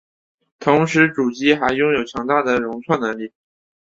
同时主机还拥有强大的容错能力。